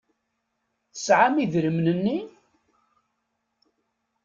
Tesɛam idrimen-nni?